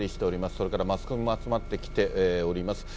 それからマスコミも集まってきております。